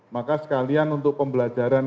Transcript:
maka sekalian untuk pembelajaran